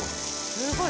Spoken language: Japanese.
すごい。